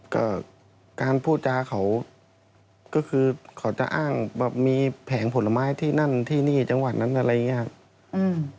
ก็การพูดจาเขาก็คือเขาจะอ้างว่ามีแผงผลไม้ที่นั่นที่นี่จังหวัดนั้นอะไรอย่างนี้ครับ